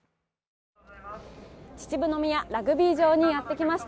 秩父宮ラグビー場にやってきました。